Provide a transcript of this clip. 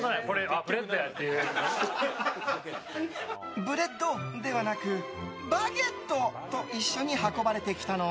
ブレッドではなく、バゲットといっしょに運ばれてきたのは。